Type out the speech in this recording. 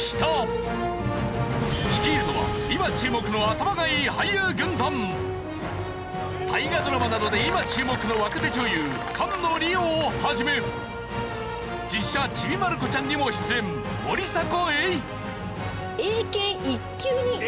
率いるのは今注目の大河ドラマなどで今注目の若手女優菅野莉央を始め実写『ちびまる子ちゃん』にも出演森迫永依。